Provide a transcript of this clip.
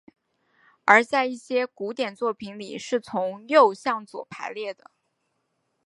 而在一些古典作品里是从右向左排列的。